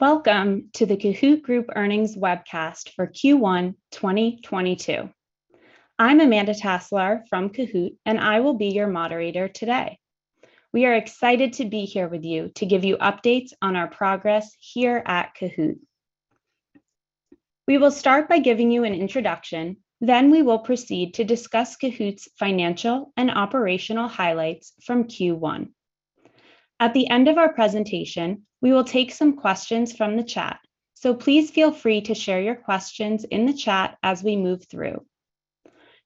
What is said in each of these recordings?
Welcome to the Kahoot! Group Earnings webcast for Q1 2022. I'm Amanda Taselaar from Kahoot!, and I will be your moderator today. We are excited to be here with you to give you updates on our progress here at Kahoot!. We will start by giving you an introduction, then we will proceed to discuss Kahoot!'s financial and operational highlights from Q1. At the end of our presentation, we will take some questions from the chat. Please feel free to share your questions in the chat as we move through.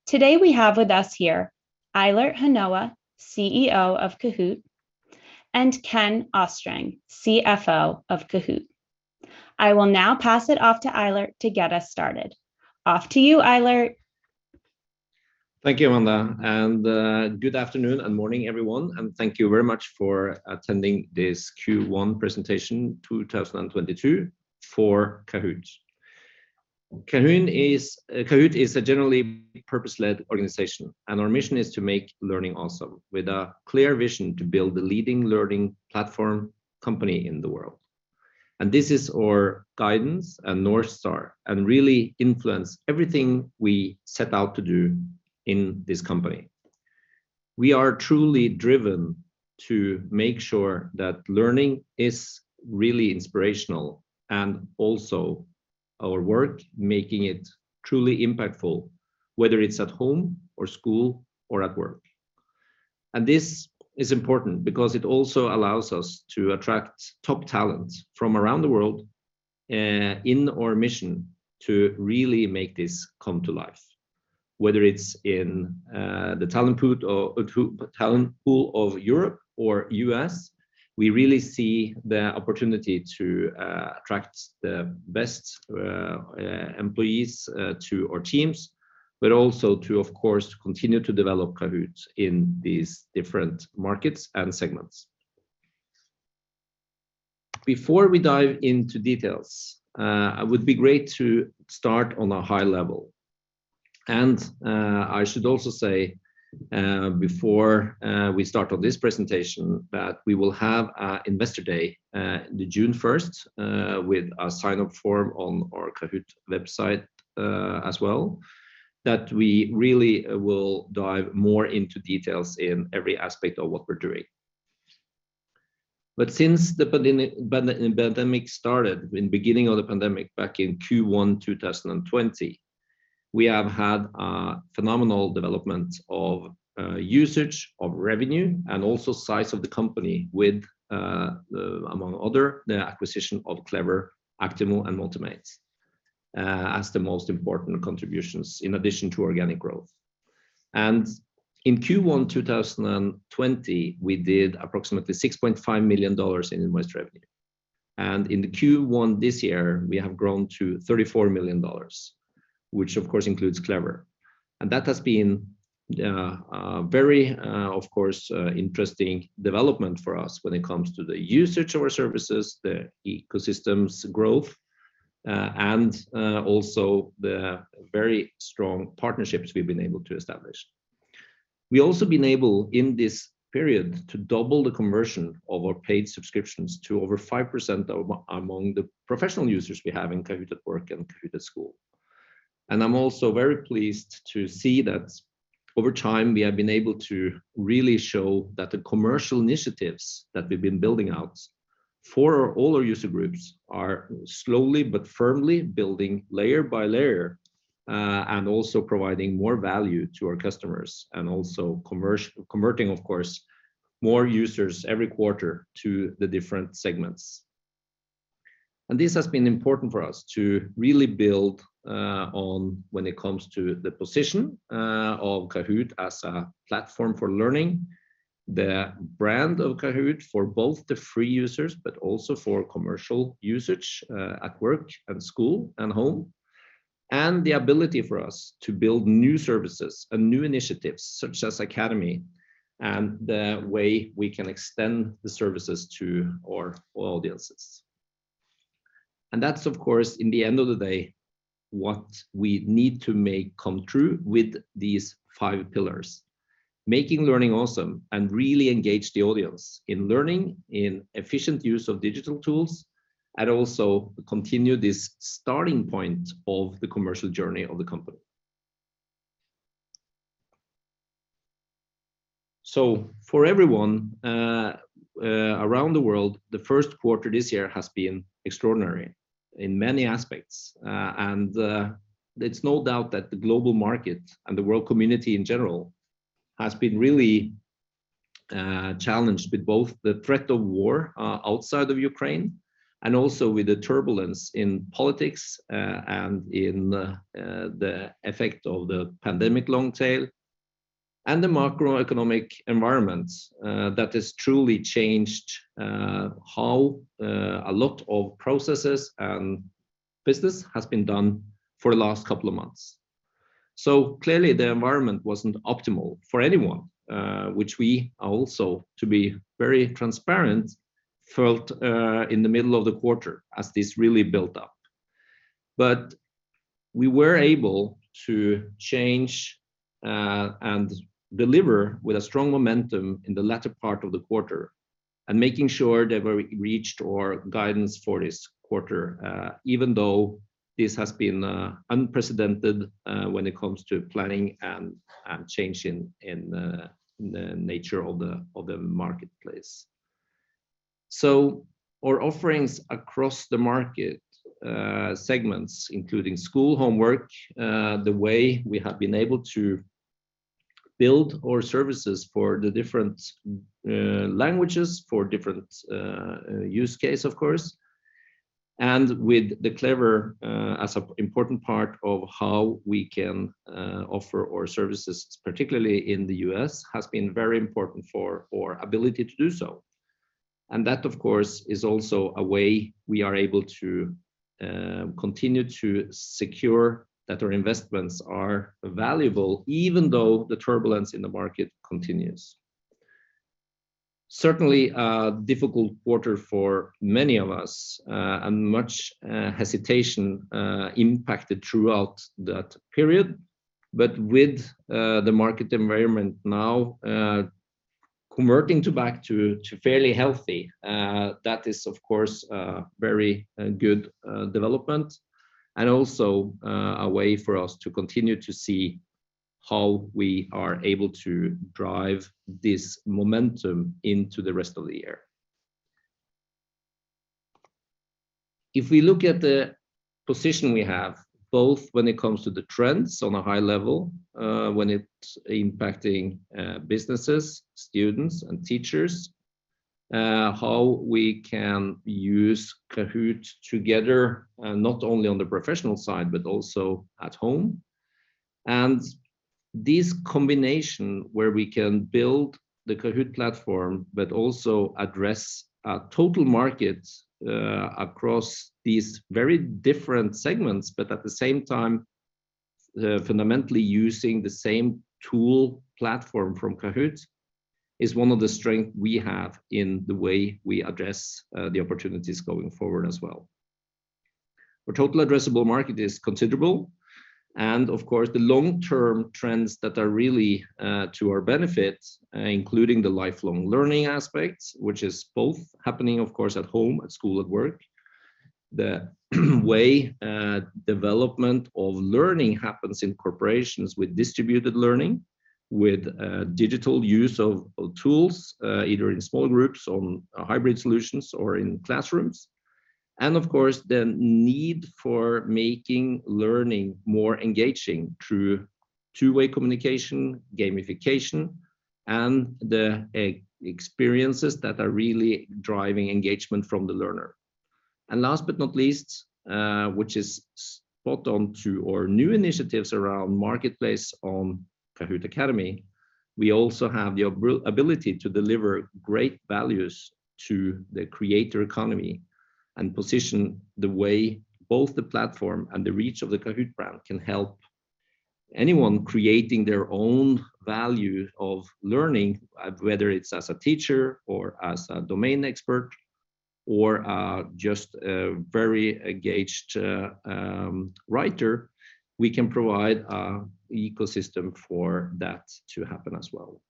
Today we have with us here Eilert Hanoa, CEO of Kahoot!, and Ken Østreng, CFO of Kahoot!. I will now pass it off to Eilert to get us started. Off to you, Eilert. Thank you, Amanda, and good afternoon and morning, everyone, and thank you very much for attending this Q1 presentation, 2022 for Kahoot!. Kahoot! is a genuinely purpose-led organization, and our mission is to make learning awesome with a clear vision to build the leading learning platform company in the world. This is our guidance and North Star and really influence everything we set out to do in this company. We are truly driven to make sure that learning is really inspirational and also our work, making it truly impactful, whether it's at home or school or at work. This is important because it also allows us to attract top talent from around the world in our mission to really make this come to life. Whether it's in the talent pool of Europe or U.S., we really see the opportunity to attract the best employees to our teams, but also to, of course, to continue to develop Kahoot! in these different markets and segments. Before we dive into details, it would be great to start on a high level. I should also say, before we start on this presentation that we will have our Investor Day, the June 1st, with a sign-up form on our Kahoot! website, as well, that we really will dive more into details in every aspect of what we're doing. Since the pandemic started, in the beginning of the pandemic back in Q1 2020, we have had a phenomenal development of usage, of revenue, and also size of the company with, among other, the acquisition of Clever, Actimo, and Motimate as the most important contributions in addition to organic growth. In Q1 2020, we did approximately $6.5 million in invoiced revenue. In Q1 this year, we have grown to $34 million, which of course includes Clever. That has been very, of course, interesting development for us when it comes to the usage of our services, the ecosystem growth, and also the very strong partnerships we've been able to establish. We also been able, in this period, to double the conversion of our paid subscriptions to over 5% among the professional users we have in Kahoot! at Work and Kahoot! at School. I'm also very pleased to see that over time, we have been able to really show that the commercial initiatives that we've been building out for all our user groups are slowly but firmly building layer by layer, and also providing more value to our customers and also converting, of course, more users every quarter to the different segments. This has been important for us to really build on when it comes to the position of Kahoot! as a platform for learning, the brand of Kahoot! for both the free users but also for commercial usage at work and school and home, and the ability for us to build new services and new initiatives, such as Academy, and the way we can extend the services to our all audiences. That's, of course, in the end of the day, what we need to make come true with these five pillars. Making learning awesome and really engage the audience in learning, in efficient use of digital tools, and also continue this starting point of the commercial journey of the company. For everyone around the world, the first quarter this year has been extraordinary in many aspects. It's no doubt that the global market and the world community in general has been really challenged with both the threat of war outside of Ukraine and also with the turbulence in politics and in the effect of the pandemic long tail and the macroeconomic environment that has truly changed how a lot of processes and business has been done for the last couple of months. Clearly, the environment wasn't optimal for anyone, which we also, to be very transparent, felt in the middle of the quarter as this really built up. We were able to change and deliver with a strong momentum in the latter part of the quarter and making sure that we reached our guidance for this quarter, even though this has been unprecedented when it comes to planning and changing in the nature of the marketplace. Our offerings across the market segments, including school, homework, the way we have been able to build our services for the different languages, for different use case of course, and with the Clever as an important part of how we can offer our services, particularly in the U.S., has been very important for our ability to do so. That of course is also a way we are able to continue to secure that our investments are valuable, even though the turbulence in the market continues. Certainly a difficult quarter for many of us, and much hesitation impacted throughout that period. With the market environment now converting back to fairly healthy, that is of course a very good development and also a way for us to continue to see how we are able to drive this momentum into the rest of the year. If we look at the position we have, both when it comes to the trends on a high level, when it's impacting businesses, students and teachers, how we can use Kahoot! together, not only on the professional side, but also at home. This combination where we can build the Kahoot! platform, but also address our total market, across these very different segments, but at the same time, fundamentally using the same tool platform from Kahoot!, is one of the strength we have in the way we address, the opportunities going forward as well. Our total addressable market is considerable, and of course, the long-term trends that are really, to our benefit, including the lifelong learning aspects, which is both happening, of course, at home, at school, at work. The way, development of learning happens in corporations with distributed learning, with, digital use of tools, either in small groups on hybrid solutions or in classrooms. Of course, the need for making learning more engaging through two-way communication, gamification, and the experiences that are really driving engagement from the learner. Last but not least, which is spot on to our new initiatives around marketplace on Kahoot! Academy, we also have the ability to deliver great values to the creator economy and position the way both the platform and the reach of the Kahoot! brand can help anyone creating their own value of learning, whether it's as a teacher or as a domain expert or just a very engaged writer, we can provide an ecosystem for that to happen as well.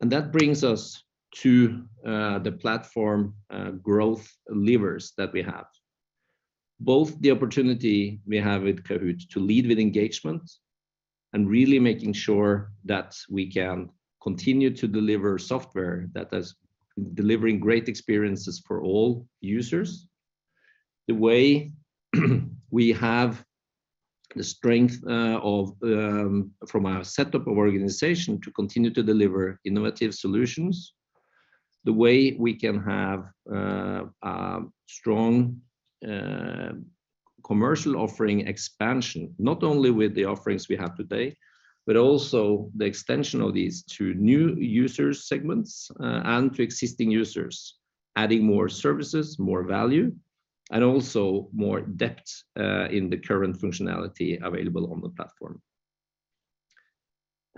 That brings us to the platform growth levers that we have. Both the opportunity we have with Kahoot! to lead with engagement and really making sure that we can continue to deliver software that is delivering great experiences for all users. The way we have the strength from our setup of organization to continue to deliver innovative solutions, the way we can have strong commercial offering expansion, not only with the offerings we have today, but also the extension of these to new user segments and to existing users, adding more services, more value, and also more depth in the current functionality available on the platform.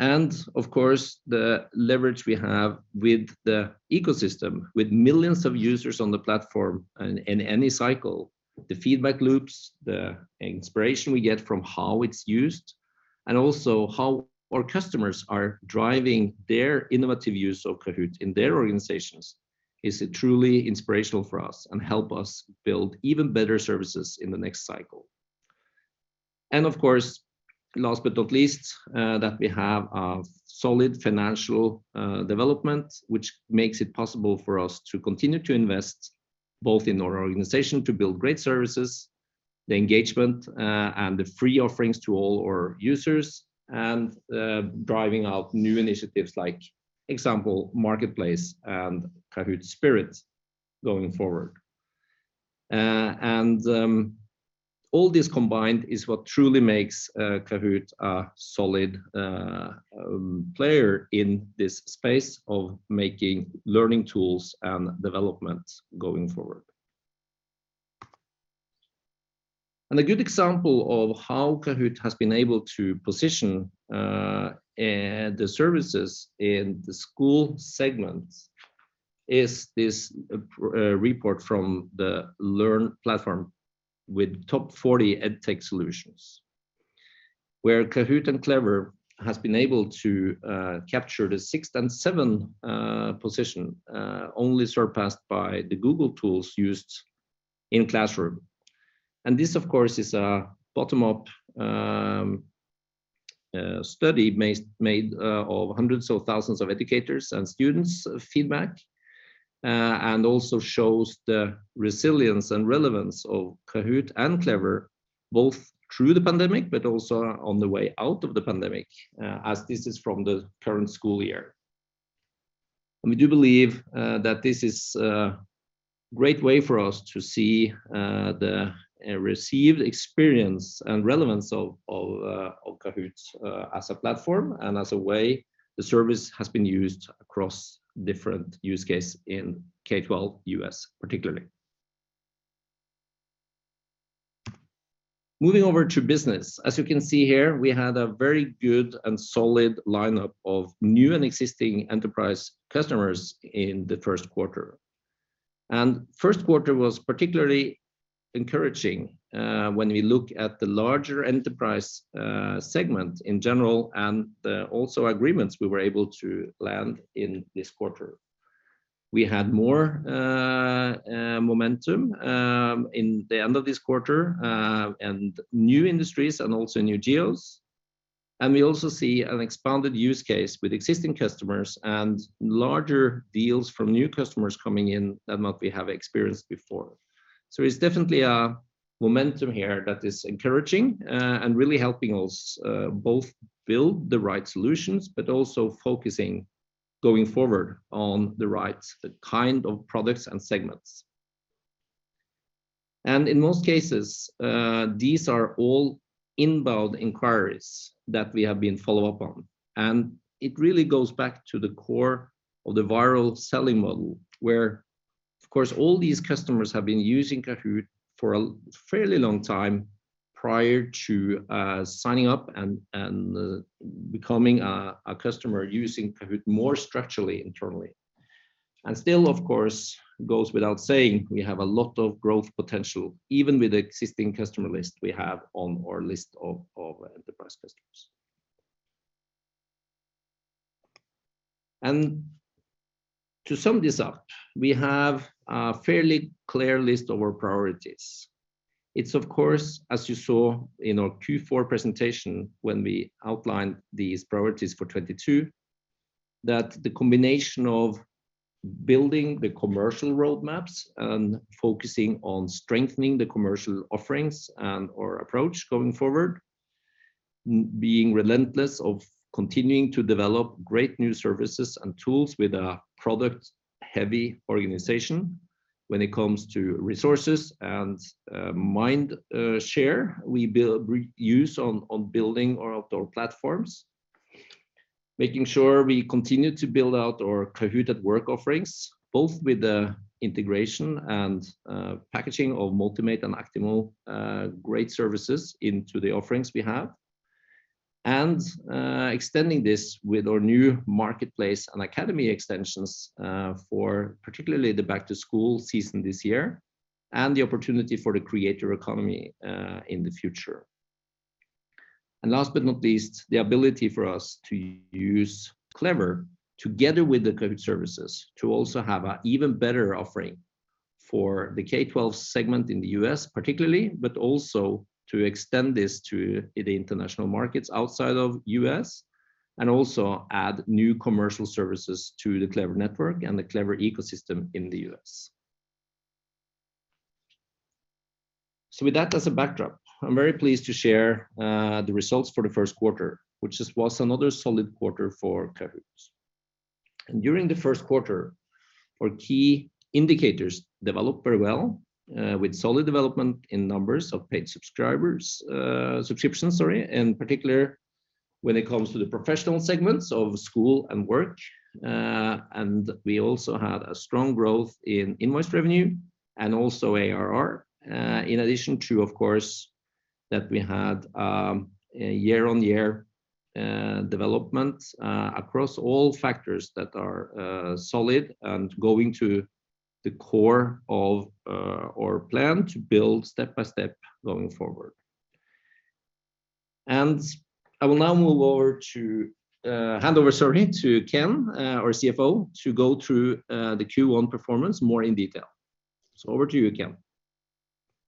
Of course, the leverage we have with the ecosystem, with millions of users on the platform in any cycle, the feedback loops, the inspiration we get from how it's used, and also how our customers are driving their innovative use of Kahoot! in their organizations is truly inspirational for us and help us build even better services in the next cycle. Of course, last but not least, that we have a solid financial development, which makes it possible for us to continue to invest both in our organization to build great services, the engagement, and the free offerings to all our users, and driving out new initiatives for example, Marketplace and Kahoot! Spirit going forward. All this combined is what truly makes Kahoot! a solid player in this space of making learning tools and development going forward. A good example of how Kahoot! has been able to position the services in the school segment is this report from the LearnPlatform with top 40 EdTech solutions, where Kahoot! and Clever has been able to capture the 6th and 7th position only surpassed by Google Classroom. This, of course, is a bottom-up study made of hundreds of thousands of educators' and students' feedback, and also shows the resilience and relevance of Kahoot! and Clever both through the pandemic but also on the way out of the pandemic, as this is from the current school year. We do believe that this is a great way for us to see the received experience and relevance of Kahoot! as a platform and as a way the service has been used across different use case in K-12 U.S. particularly. Moving over to business. As you can see here, we had a very good and solid lineup of new and existing enterprise customers in the first quarter. First quarter was particularly encouraging when we look at the larger enterprise segment in general and the agreements we were able to land in this quarter. We had more momentum in the end of this quarter and new industries and also new geos. We also see an expanded use case with existing customers and larger deals from new customers coming in than what we have experienced before. There's definitely a momentum here that is encouraging and really helping us both build the right solutions, but also focusing going forward on the right kind of products and segments. In most cases, these are all inbound inquiries that we have been following up on. It really goes back to the core of the viral selling model, where of course, all these customers have been using Kahoot! For a fairly long time prior to signing up and becoming a customer using Kahoot! more structurally internally. Still, of course, goes without saying, we have a lot of growth potential, even with existing customer list we have on our list of enterprise customers. To sum this up, we have a fairly clear list of our priorities. It's of course, as you saw in our Q4 presentation when we outlined these priorities for 2022, that the combination of building the commercial roadmaps and focusing on strengthening the commercial offerings and/or approach going forward, being relentless in continuing to develop great new services and tools with a product-heavy organization when it comes to resources and mindshare we use on building our author platforms. Making sure we continue to build out our Kahoot! at Work offerings, both with the integration and, packaging of Motimate and Actimo, great services into the offerings we have. Extending this with our new Marketplace and Academy extensions, for particularly the back-to-school season this year, and the opportunity for the creator economy, in the future. Last but not least, the ability for us to use Clever together with the Kahoot! services to also have an even better offering for the K-12 segment in the U.S. particularly, but also to extend this to the international markets outside of the U.S., and also add new commercial services to the Clever network and the Clever ecosystem in the U.S. With that as a backdrop, I'm very pleased to share, the results for the first quarter, which was another solid quarter for Kahoot!. During the first quarter, our key indicators developed very well, with solid development in numbers of paid subscribers, subscriptions, sorry, in particular when it comes to the professional segments of school and work. We also had a strong growth in invoiced revenue and also ARR, in addition to, of course, that we had, a year-on-year development across all factors that are solid and going to the core of our plan to build step-by-step going forward. I will now move over to hand over, sorry, to Ken, our CFO, to go through the Q1 performance more in detail. Over to you, Ken.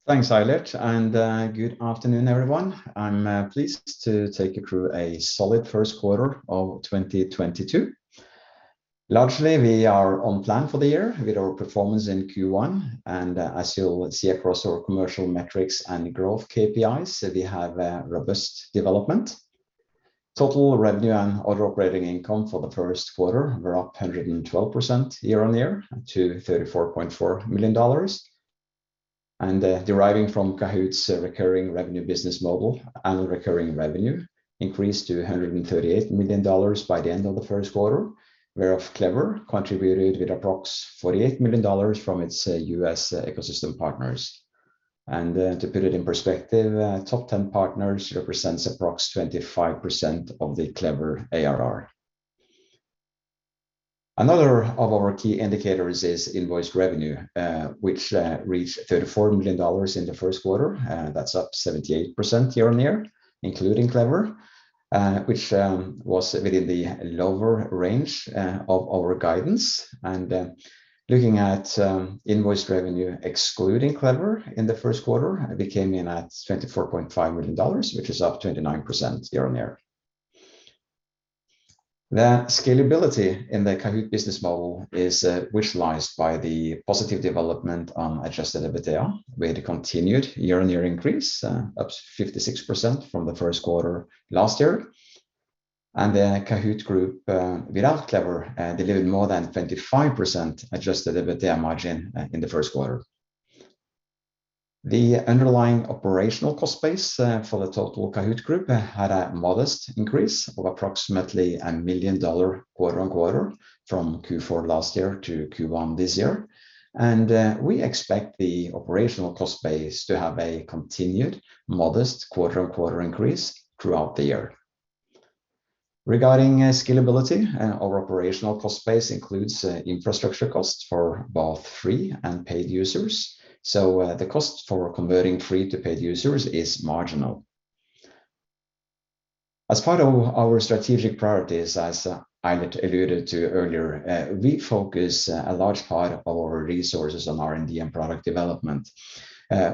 Thanks, Eilert, and good afternoon, everyone. I'm pleased to take you through a solid first quarter of 2022. Largely, we are on plan for the year with our performance in Q1, and as you'll see across our commercial metrics and growth KPIs, we have a robust development. Total revenue and other operating income for the first quarter were up 112% year-on-year to $34.4 million. Deriving from Kahoot!'s recurring revenue business model, annual recurring revenue increased to $138 million by the end of the first quarter, whereof Clever contributed with approx $48 million from its U.S. ecosystem partners. To put it in perspective, top ten partners represents approx 25% of the Clever ARR. Another of our key indicators is invoiced revenue, which reached $34 million in the first quarter. That's up 78% year-on-year, including Clever, which was within the lower range of our guidance. Looking at invoiced revenue excluding Clever in the first quarter, it came in at $24.5 million, which is up 29% year-on-year. The scalability in the Kahoot! business model is visualized by the positive development on adjusted EBITDA. We had a continued year-on-year increase, up 56% from the first quarter last year. The Kahoot! group without Clever delivered more than 25% adjusted EBITDA margin in the first quarter. The underlying operational cost base for the total Kahoot! group had a modest increase of approximately $1 million quarter-on-quarter from Q4 last year to Q1 this year. We expect the operational cost base to have a continued modest quarter-on-quarter increase throughout the year. Regarding scalability, our operational cost base includes infrastructure costs for both free and paid users, so the cost for converting free to paid users is marginal. As part of our strategic priorities, Eilert alluded to earlier, we focus a large part of our resources on R&D and product development,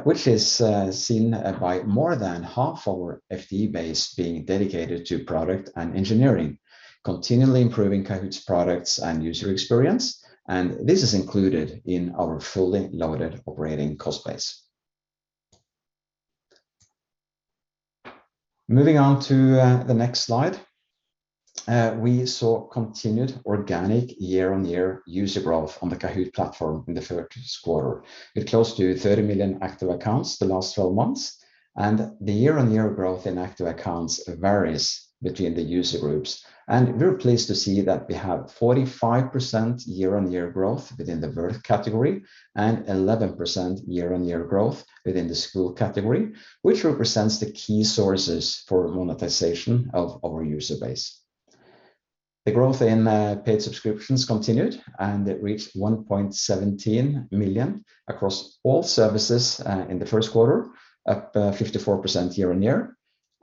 which is seen by more than half our FTE base being dedicated to product and engineering, continually improving Kahoot!'s products and user experience, and this is included in our fully loaded operating cost base. Moving on to the next slide. We saw continued organic year-on-year user growth on the Kahoot! platform in the first quarter, with close to 30 million active accounts the last 12 months. The year-on-year growth in active accounts varies between the user groups. We're pleased to see that we have 45% year-on-year growth within the work category and 11% year-on-year growth within the school category, which represents the key sources for monetization of our user base. The growth in paid subscriptions continued, and it reached 1.17 million across all services in the first quarter, up 54% year-on-year,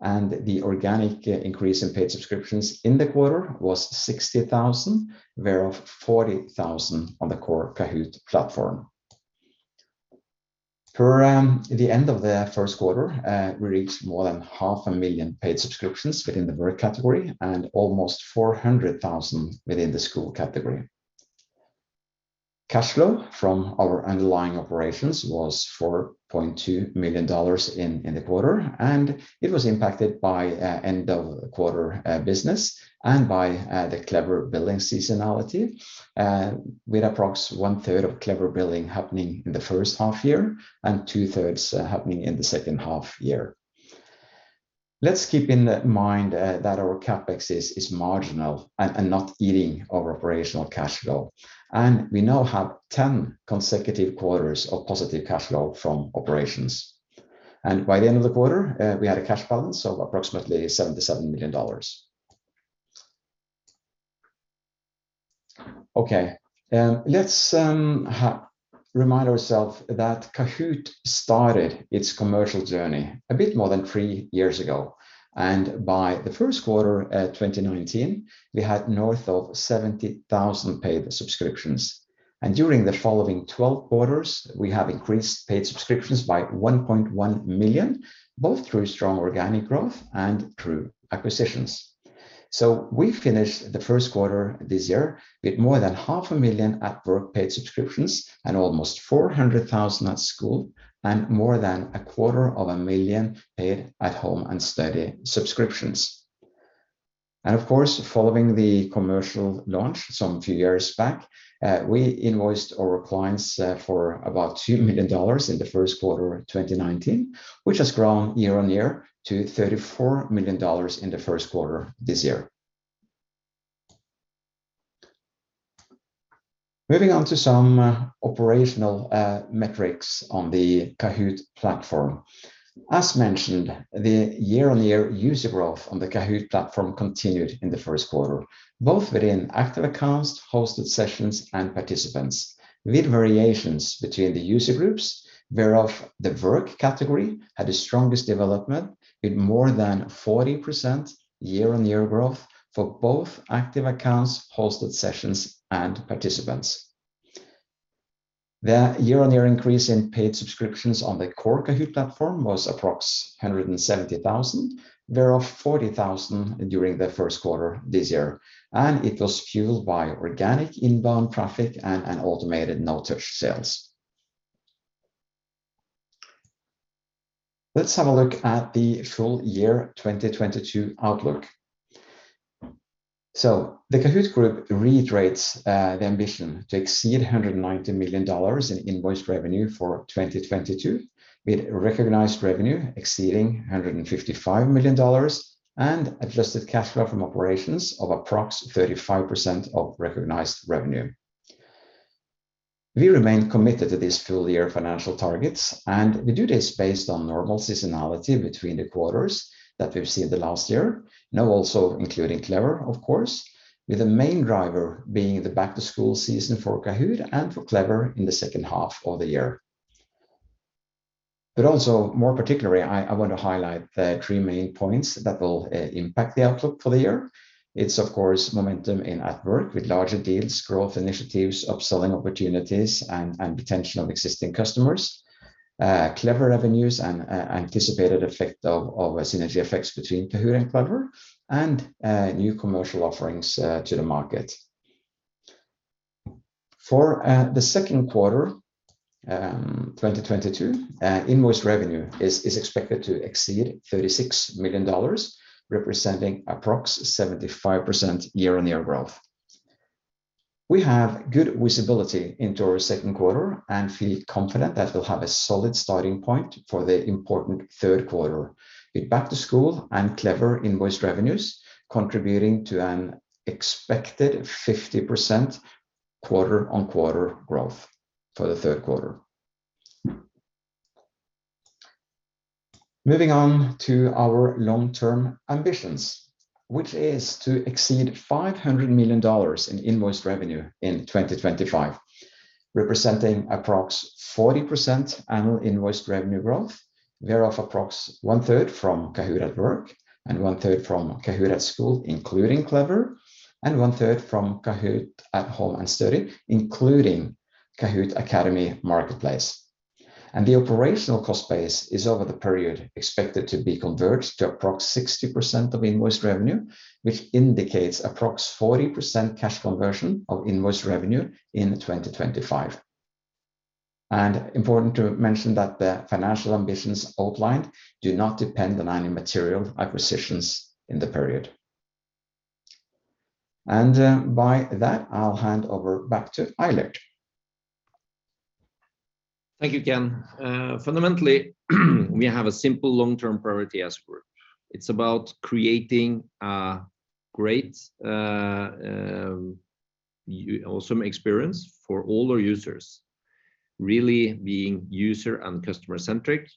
and the organic increase in paid subscriptions in the quarter was 60,000, whereof 40,000 on the core Kahoot! platform. At the end of the first quarter, we reached more than 0.5 million paid subscriptions within the work category and almost 400,000 within the school category. Cash flow from our underlying operations was $4.2 million in the quarter, and it was impacted by end-of-quarter business and by the Clever billing seasonality, with approx 1/3 of Clever billing happening in the first half-year and 2/3 happening in the second half-year. Let's keep in mind that our CapEx is marginal and not eating our operational cash flow. We now have 10 consecutive quarters of positive cash flow from operations. By the end of the quarter, we had a cash balance of approximately $77 million. Okay. Let's remind ourselves that Kahoot! started its commercial journey a bit more than 3 years ago, and by the first quarter 2019, we had north of 70,000 paid subscriptions. During the following 12 quarters, we have increased paid subscriptions by 1.1 million, both through strong organic growth and through acquisitions. We finished the first quarter this year with more than 500,000 at work paid subscriptions and almost 400,000 at school and more than 250,000 paid at home and study subscriptions. Of course, following the commercial launch some few years back, we invoiced our clients for about $2 million in the first quarter 2019, which has grown year-on-year to $34 million in the first quarter this year. Moving on to some operational metrics on the Kahoot! platform. As mentioned, the year-on-year user growth on the Kahoot! Platform continued in the first quarter, both within active accounts, hosted sessions, and participants, with variations between the user groups, whereof the work category had the strongest development with more than 40% year-on-year growth for both active accounts, hosted sessions, and participants. The year-on-year increase in paid subscriptions on the core Kahoot! platform was approximately 170,000, whereof 40,000 during the first quarter this year, and it was fueled by organic inbound traffic and an automated no-touch sales. Let's have a look at the full year 2022 outlook. The Kahoot! Group reiterates the ambition to exceed $190 million in invoiced revenue for 2022, with recognized revenue exceeding $155 million and adjusted cash flow from operations of approximately 35% of recognized revenue. We remain committed to these full year financial targets, and we do this based on normal seasonality between the quarters that we've seen the last year. Now also including Clever, of course, with the main driver being the back-to-school season for Kahoot! and for Clever in the second half of the year. Also more particularly, I want to highlight the three main points that will impact the outlook for the year. It's of course, momentum in Kahoot! at Work with larger deals, growth initiatives, upselling opportunities, and potential of existing customers. Clever revenues and anticipated effect of a synergy effects between Kahoot! and Clever and new commercial offerings to the market. For the second quarter 2022, invoiced revenue is expected to exceed $36 million, representing approx 75% year-on-year growth. We have good visibility into our second quarter and feel confident that we'll have a solid starting point for the important third quarter, with back-to-school and Clever invoiced revenues contributing to an expected 50% quarter-on-quarter growth for the third quarter. Moving on to our long-term ambitions, which is to exceed $500 million in invoiced revenue in 2025, representing approx 40% annual invoiced revenue growth, whereof approx 1/3 from Kahoot! at Work and 1/3 from Kahoot! at School, including Clever, and 1/3 from Kahoot! at Home and Study, including Kahoot! Academy Marketplace. The operational cost base is over the period expected to be converged to approx 60% of invoiced revenue, which indicates approx 40% cash conversion of invoiced revenue in 2025. By that, I'll hand over back to Eilert. Thank you, Ken. Fundamentally, we have a simple long-term priority as a group. It's about creating great awesome experience for all our users, really being user and customer-centric,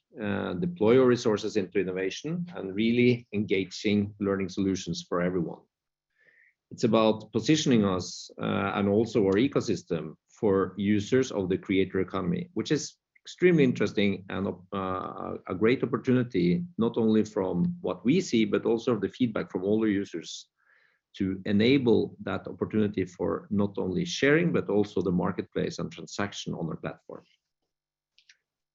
deploy our resources into innovation and really engaging learning solutions for everyone. It's about positioning us and also our ecosystem for users of the creator economy, which is extremely interesting and a great opportunity, not only from what we see, but also the feedback from all our users to enable that opportunity for not only sharing but also the marketplace and transaction on our platform.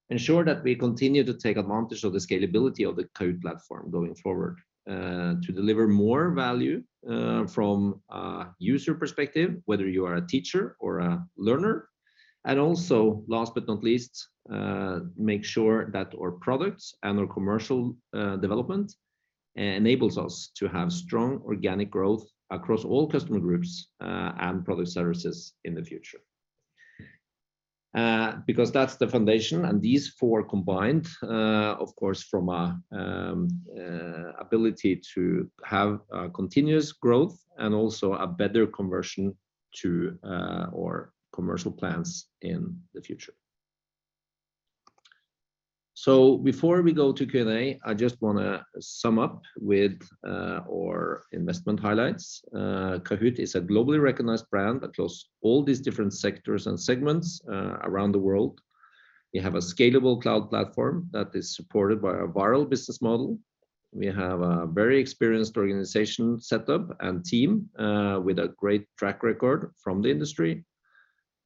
Ensure that we continue to take advantage of the scalability of the core platform going forward, to deliver more value from a user perspective, whether you are a teacher or a learner. Last but not least, make sure that our products and our commercial development enables us to have strong organic growth across all customer groups and product services in the future. Because that's the foundation and these four combined, of course, from a ability to have continuous growth and also a better conversion to our commercial plans in the future. Before we go to Q&A, I just wanna sum up with our investment highlights. Kahoot! is a globally recognized brand across all these different sectors and segments around the world. We have a scalable cloud platform that is supported by a viral business model. We have a very experienced organization set up and team with a great track record from the industry.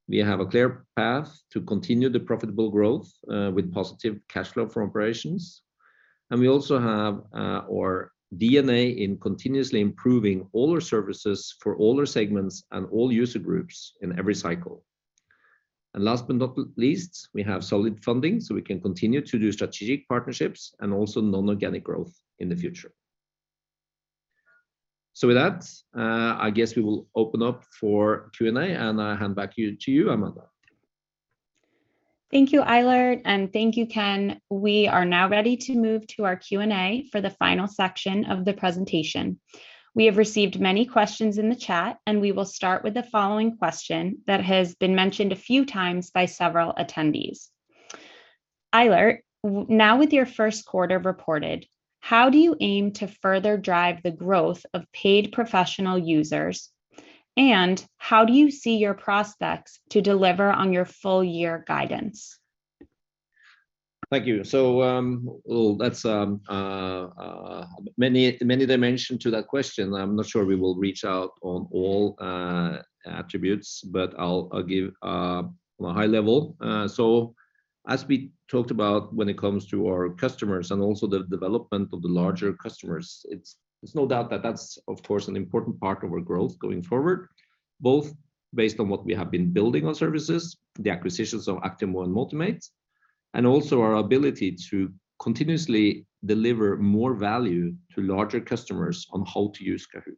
We have a clear path to continue the profitable growth, with positive cash flow from operations. We also have our DNA in continuously improving all our services for all our segments and all user groups in every cycle. Last but not least, we have solid funding, so we can continue to do strategic partnerships and also non-organic growth in the future. With that, I guess we will open up for Q&A, and I hand it back to you, Amanda. Thank you, Eilert, and thank you, Ken. We are now ready to move to our Q&A for the final section of the presentation. We have received many questions in the chat, and we will start with the following question that has been mentioned a few times by several attendees. Eilert, now with your first quarter reported, how do you aim to further drive the growth of paid professional users, and how do you see your prospects to deliver on your full year guidance? Thank you. Well, that's many dimensions to that question. I'm not sure we will reach out on all attributes, but I'll give on a high level. As we talked about when it comes to our customers and also the development of the larger customers, there's no doubt that that's of course an important part of our growth going forward, both based on what we have been building on services, the acquisitions of Actimo and Motimate, and also our ability to continuously deliver more value to larger customers on how to use Kahoot!.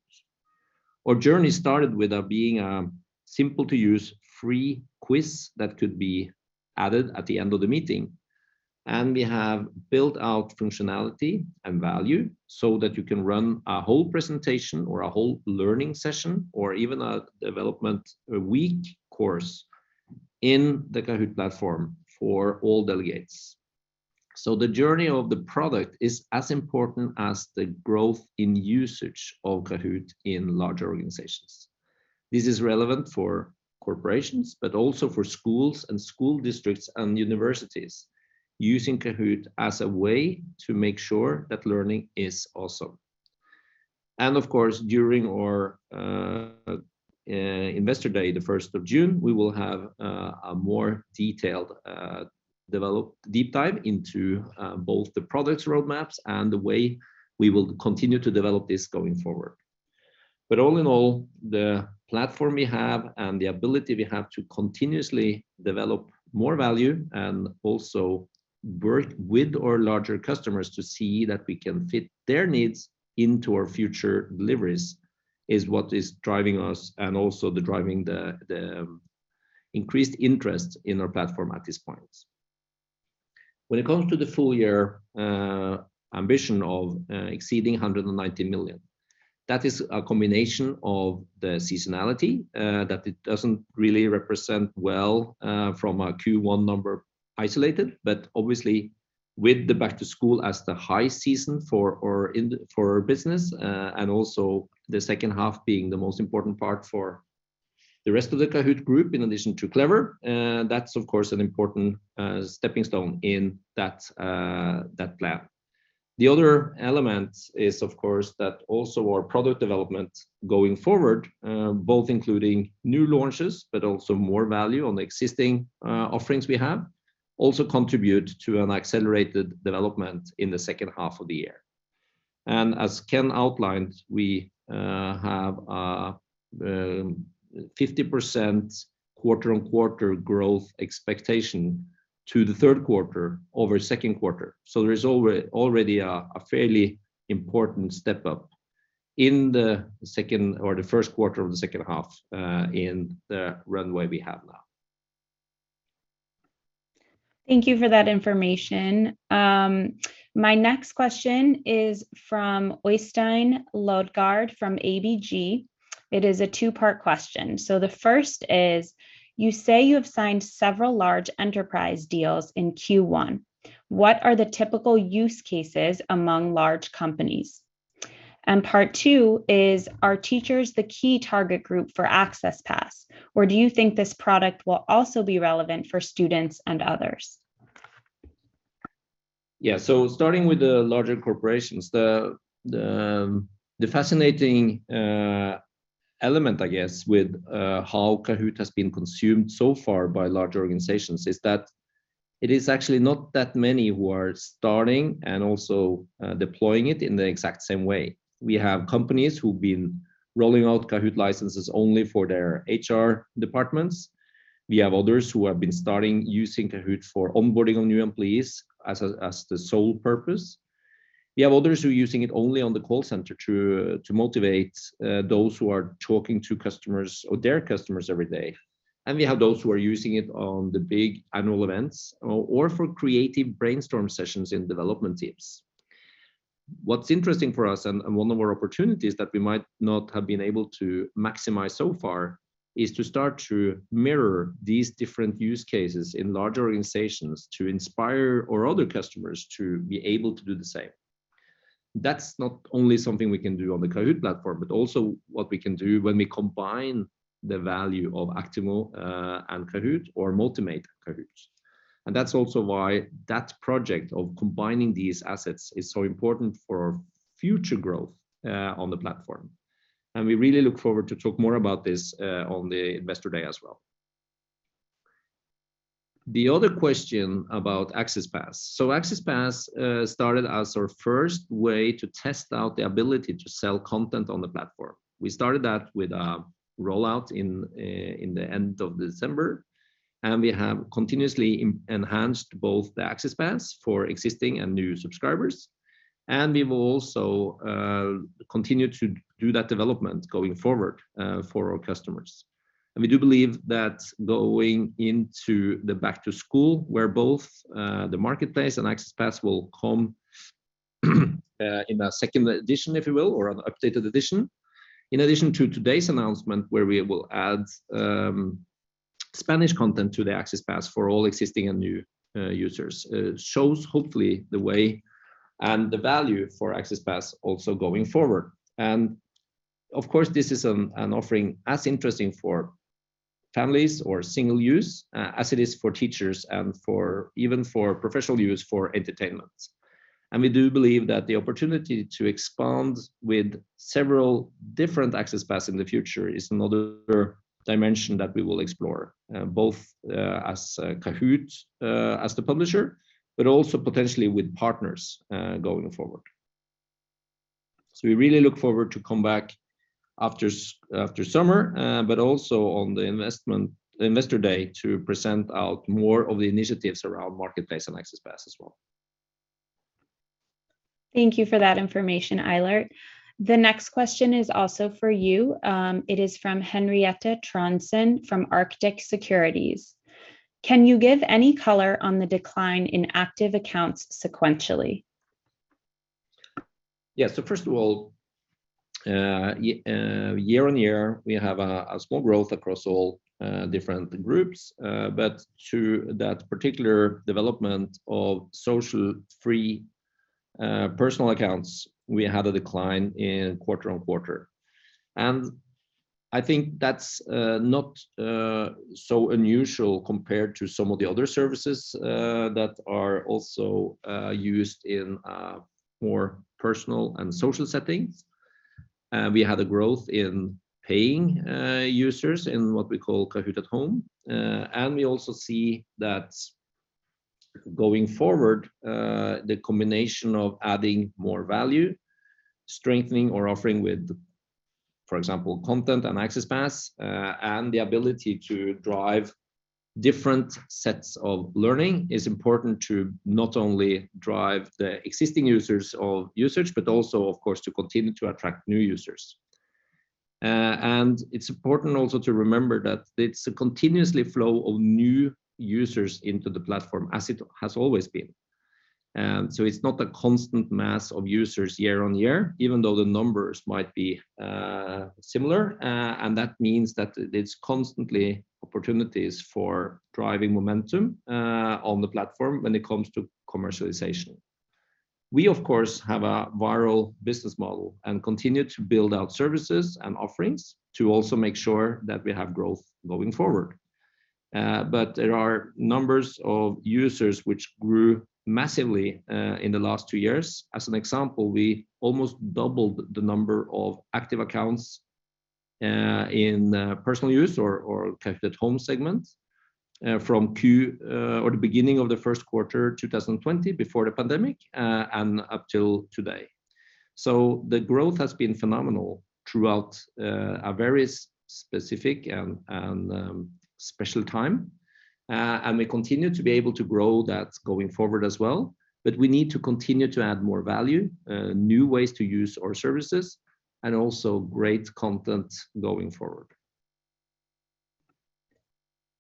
Our journey started with being a simple-to-use, free quiz that could be added at the end of the meeting. We have built out functionality and value so that you can run a whole presentation or a whole learning session or even a development, a week course in the Kahoot! platform for all delegates. The journey of the product is as important as the growth in usage of Kahoot! in large organizations. This is relevant for corporations, but also for schools and school districts and universities using Kahoot! as a way to make sure that learning is awesome. Of course, during our investor day, the first of June, we will have a more detailed deep dive into both the products roadmaps and the way we will continue to develop this going forward. All in all, the platform we have and the ability we have to continuously develop more value and also work with our larger customers to see that we can fit their needs into our future deliveries is what is driving us and also driving the increased interest in our platform at this point. When it comes to the full year ambition of exceeding $190 million, that is a combination of the seasonality that it doesn't really represent well from a Q1 number isolated, but obviously with the back to school as the high season for business, and also the second half being the most important part for the rest of the Kahoot! group in addition to Clever, that's of course an important stepping stone in that plan. The other element is, of course, that also our product development going forward, both including new launches, but also more value on the existing offerings we have, also contribute to an accelerated development in the second half of the year. As Ken outlined, we have 50% quarter-over-quarter growth expectation to the third quarter over second quarter. There is already a fairly important step up in the second or the first quarter of the second half, in the runway we have now. Thank you for that information. My next question is from Øystein Lodgaard from ABG. It is a two-part question. The first is, you say you have signed several large enterprise deals in Q1. What are the typical use cases among large companies? Part two is, are teachers the key target group for AccessPass, or do you think this product will also be relevant for students and others? Yeah. Starting with the larger corporations, the fascinating element, I guess, with how Kahoot! has been consumed so far by larger organizations is that it is actually not that many who are starting and also deploying it in the exact same way. We have companies who've been rolling out Kahoot! licenses only for their HR departments. We have others who have been starting using Kahoot! for onboarding on new employees as the sole purpose. We have others who are using it only on the call center to motivate those who are talking to customers or their customers every day. We have those who are using it on the big annual events or for creative brainstorm sessions in development teams. What's interesting for us and one of our opportunities that we might not have been able to maximize so far is to start to mirror these different use cases in large organizations to inspire our other customers to be able to do the same. That's not only something we can do on the Kahoot! platform, but also what we can do when we combine the value of Actimo and Kahoot! or Motimate Kahoot!. That's also why that project of combining these assets is so important for our future growth on the platform. We really look forward to talk more about this on the investor day as well. The other question about AccessPass. AccessPass started as our first way to test out the ability to sell content on the platform. We started that with a rollout in the end of December, and we have continuously enhanced both the AccessPass for existing and new subscribers, and we will also continue to do that development going forward for our customers. We do believe that going into the back to school, where both the marketplace and AccessPass will come in a second edition, if you will, or an updated edition. In addition to today's announcement where we will add Spanish content to the AccessPass for all existing and new users, shows hopefully the way and the value for AccessPass also going forward. Of course, this is an offering as interesting for families or single use as it is for teachers and even for professional use for entertainment. We do believe that the opportunity to expand with several different AccessPass in the future is another dimension that we will explore, both as Kahoot! as the publisher, but also potentially with partners, going forward. We really look forward to come back after after summer, but also on the investor day to present out more of the initiatives around Marketplace and AccessPass as well. Thank you for that information, Eilert. The next question is also for you. It is from Henriette Trondsen from Arctic Securities. Can you give any color on the decline in active accounts sequentially? Yeah. First of all, year-over-year, we have a small growth across all different groups. But to that particular development of social free personal accounts, we had a decline quarter-over-quarter. I think that's not so unusual compared to some of the other services that are also used in more personal and social settings. We had a growth in paying users in what we call Kahoot! at Home. We also see that going forward, the combination of adding more value, strengthening or offering with, for example, content and AccessPass, and the ability to drive different sets of learning is important to not only drive the existing users or usage, but also, of course, to continue to attract new users. It's important also to remember that it's a continuously flow of new users into the platform as it has always been. It's not a constant mass of users year-on-year, even though the numbers might be similar. That means that there's constantly opportunities for driving momentum on the platform when it comes to commercialization. We of course have a viral business model and continue to build out services and offerings to also make sure that we have growth going forward. There are numbers of users which grew massively in the last two years. As an example, we almost doubled the number of active accounts in personal use or Kahoot! at Home segments from the beginning of the first quarter 2020 before the pandemic and up till today. The growth has been phenomenal throughout a very specific and special time. We continue to be able to grow that going forward as well, but we need to continue to add more value, new ways to use our services and also great content going forward.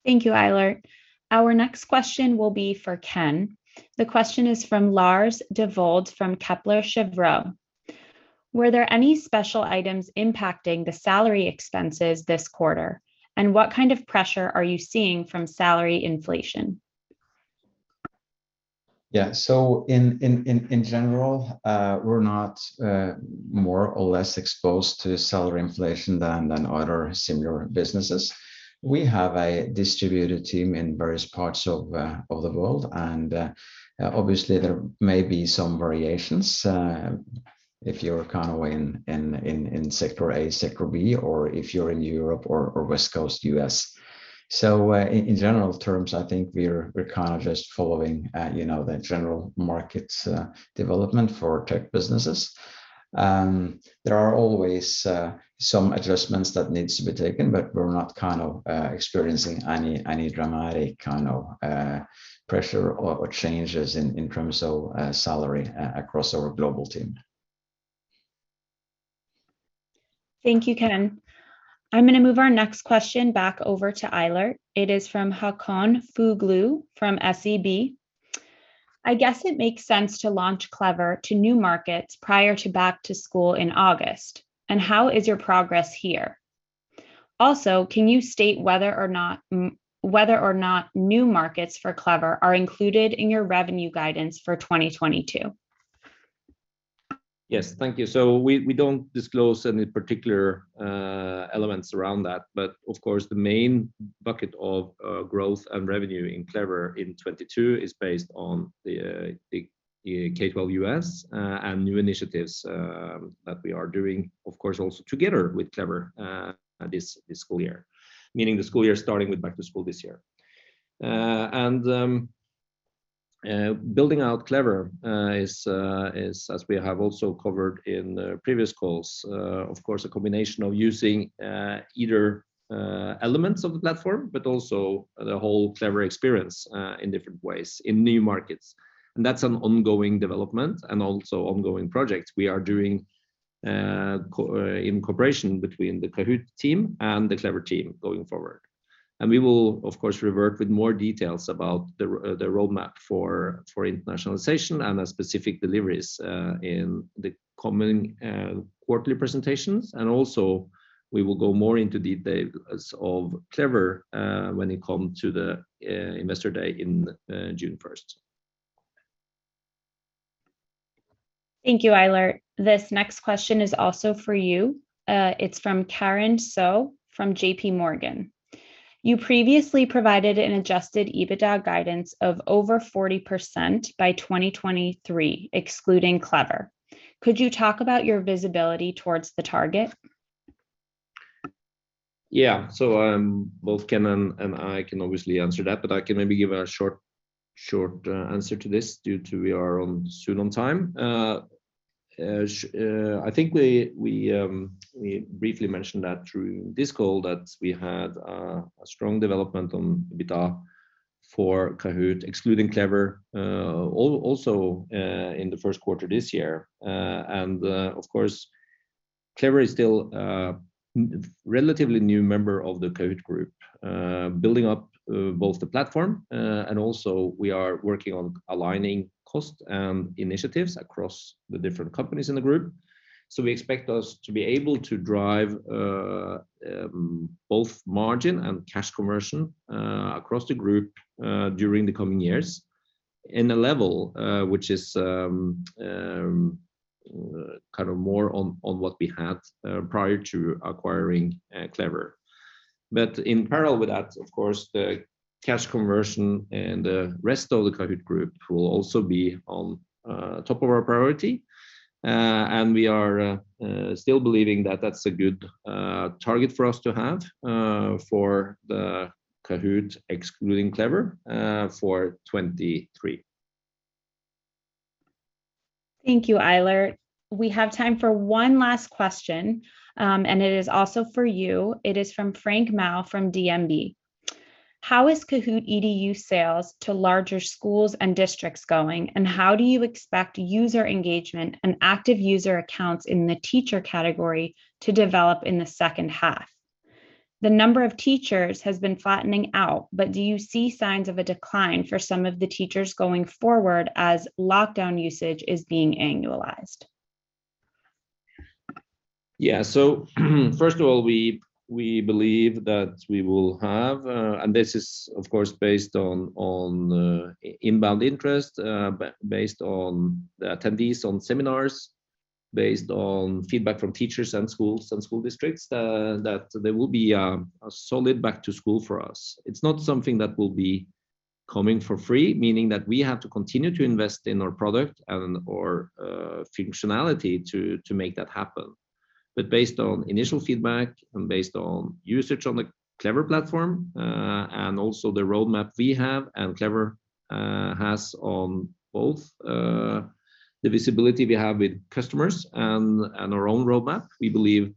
Thank you, Eilert. Our next question will be for Ken. The question is from Lars Devold from Kepler Cheuvreux. Were there any special items impacting the salary expenses this quarter? And what kind of pressure are you seeing from salary inflation? Yeah. In general, we're not more or less exposed to salary inflation than other similar businesses. We have a distributed team in various parts of the world, and obviously there may be some variations if you're kind of in sector A, sector B or if you're in Europe or West Coast U.S. In general terms, I think we're kind of just following you know, the general market development for tech businesses. There are always some adjustments that needs to be taken, but we're not kind of experiencing any dramatic kind of pressure or changes in terms of salary across our global team. Thank you, Ken. I'm gonna move our next question back over to Eilert. It is from Håkon Fuglu from SEB. I guess it makes sense to launch Clever to new markets prior to back to school in August, and how is your progress here? Also, can you state whether or not new markets for Clever are included in your revenue guidance for 2022? Yes. Thank you. We don't disclose any particular elements around that, but of course, the main bucket of growth and revenue in Clever in 2022 is based on the K-12 U.S. and new initiatives that we are doing, of course also together with Clever, this school year. Meaning the school year starting with back to school this year. Building out Clever is as we have also covered in the previous calls, of course, a combination of using either elements of the platform, but also the whole Clever experience in different ways in new markets. That's an ongoing development and also ongoing projects we are doing in cooperation between the Kahoot! team and the Clever team going forward. We will of course revert with more details about the roadmap for internationalization and the specific deliveries in the coming quarterly presentations. We will also go more into details of Clever when it comes to the Investor Day in June first. Thank you, Eilert. This next question is also for you. It's from Karen Tsao from JPMorgan. You previously provided an adjusted EBITDA guidance of over 40% by 2023, excluding Clever. Could you talk about your visibility towards the target? Both Ken and I can obviously answer that, but I can maybe give a short answer to this due to we are soon out of time. I think we briefly mentioned that through this call that we had a strong development on EBITDA for Kahoot! excluding Clever, also, in the first quarter this year. Of course, Clever is still relatively new member of the Kahoot! group, building up both the platform and also we are working on aligning cost and initiatives across the different companies in the group. We expect us to be able to drive both margin and cash conversion across the group during the coming years in a level which is kind of more on what we had prior to acquiring Clever. In parallel with that, of course, the cash conversion and the rest of the Kahoot! group will also be on top of our priority. We are still believing that that's a good target for us to have for the Kahoot! excluding Clever for 2023. Thank you, Eilert. We have time for one last question, and it is also for you. It is from Frank Maaø from DNB. How is Kahoot! EDU sales to larger schools and districts going, and how do you expect user engagement and active user accounts in the teacher category to develop in the second half? The number of teachers has been flattening out, but do you see signs of a decline for some of the teachers going forward as lockdown usage is being annualized? Yeah. First of all, we believe that we will have, and this is of course, based on inbound interest, based on the attendees on seminars, based on feedback from teachers and schools and school districts, that there will be a solid back to school for us. It's not something that will be coming for free, meaning that we have to continue to invest in our product and/or functionality to make that happen. Based on initial feedback and based on usage on the Clever platform, and also the roadmap we have and Clever has on both the visibility we have with customers and our own roadmap, we believe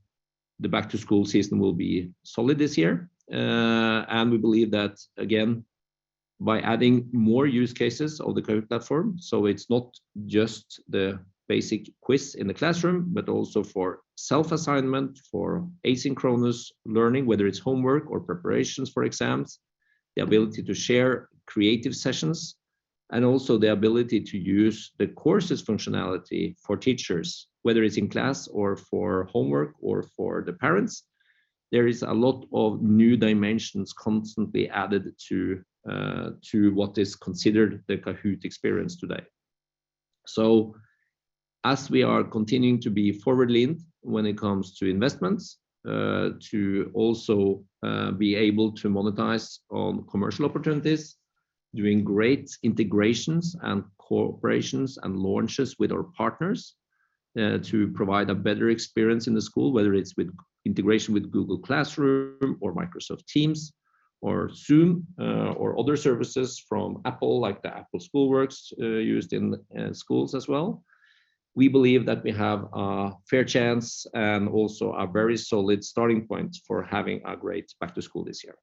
the back to school season will be solid this year. We believe that again, by adding more use cases of the Kahoot! platform, so it's not just the basic quiz in the classroom, but also for self-assignment, for asynchronous learning, whether it's homework or preparations for exams, the ability to share creative sessions and also the ability to use the courses functionality for teachers, whether it's in class or for homework or for the parents. There is a lot of new dimensions constantly added to what is considered the Kahoot! experience today. As we are continuing to be forward lean when it comes to investments, to also be able to monetize on commercial opportunities, doing great integrations and cooperations and launches with our partners, to provide a better experience in the school, whether it's with integration with Google Classroom or Microsoft Teams or Zoom, or other services from Apple, like the Apple Schoolwork, used in schools as well. We believe that we have a fair chance and also a very solid starting point for having a great back to school this year.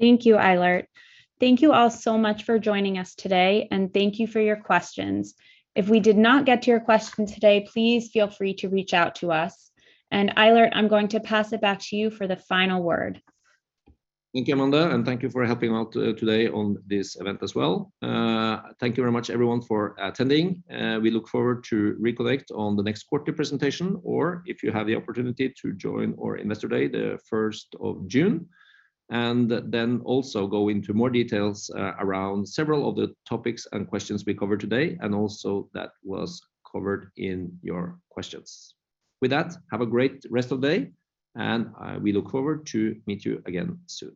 Thank you, Eilert. Thank you all so much for joining us today, and thank you for your questions. If we did not get to your question today, please feel free to reach out to us. Eilert, I'm going to pass it back to you for the final word. Thank you, Amanda, and thank you for helping out, today on this event as well. Thank you very much everyone for attending, and we look forward to reconnect on the next quarterly presentation or if you have the opportunity to join our Investor Day, the 1st of June. Then also go into more details, around several of the topics and questions we covered today, and also that was covered in your questions. With that, have a great rest of day, and we look forward to meet you again soon.